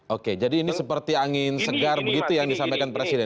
oke jadi ini seperti angin segar begitu yang disampaikan presiden